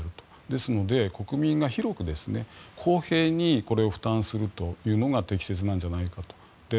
ですので、国民が広く公平にこれを負担するというのが適切なんじゃないかと。